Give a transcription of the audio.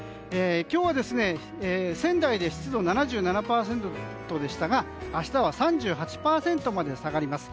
今日は、仙台で湿度７７％でしたが明日は３８％まで下がります。